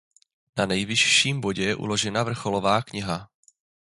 Na nejvyšším bodě je uložena vrcholová kniha.